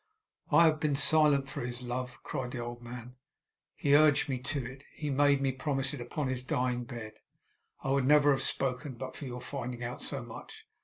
'I have been silent for his love!' cried the old man. 'He urged me to it. He made me promise it upon his dying bed. I never would have spoken, but for your finding out so much.